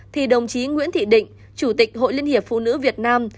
thì đồng chí nguyễn thị định chủ tịch hội liên hiệp phụ nữ việt nam